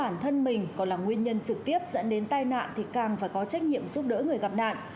các cơ quan chức năng dẫn đến tai nạn thì càng phải có trách nhiệm giúp đỡ người gặp nạn